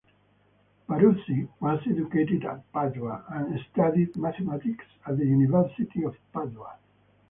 Barozzi was educated at Padua, and studied mathematics at the University of Padua.